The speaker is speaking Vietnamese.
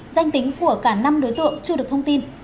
danh tính của cả năm đối tượng chưa được thông tin